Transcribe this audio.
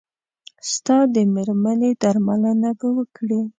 ستا د مېرمنې درملنه به وکړي.